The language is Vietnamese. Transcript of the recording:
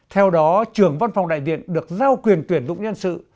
theo đó trưởng văn phòng đại diện được giao quyền tuyển dụng nhân sự